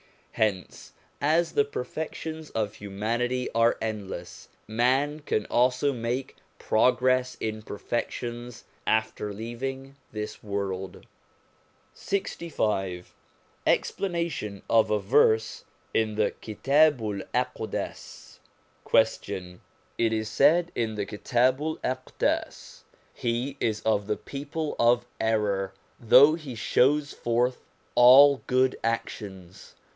Hence, as the perfections of humanity are endless, man can also make progress in perfections after leaving this world. LXV EXPLANATION OF A VERSE IN THE KITABU'L AQDAS Question. It is said in the Kitabu'l Aqdas :' He is of the people of error, though he shows forth all good actions.'